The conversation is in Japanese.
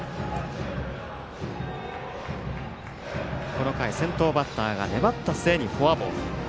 この回先頭バッターが粘った末にフォアボール。